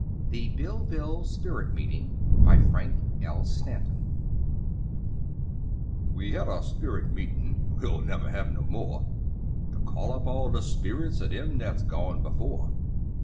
THE BILLVILLE SPIRIT MEETING BY FRANK L. STANTON We had a sperrit meetin' (we'll never have no more!) To call up all the sperrits of them that's "gone before."